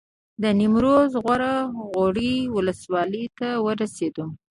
د نیمروز غور غوري ولسوالۍ ته ورسېدو.